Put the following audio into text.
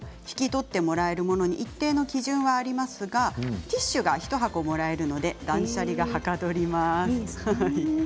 引き取ってもらえるものに一定の基準はありますがティッシュが１箱もらえるので断捨離がはかどります。